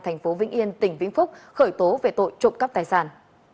thành phố vĩnh yên tỉnh vĩnh phúc khởi tố về tội trộm cắp tài sản